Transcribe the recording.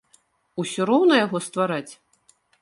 Усё роўна яго ствараць?